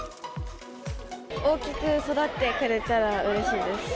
大きく育ってくれたらうれしいです。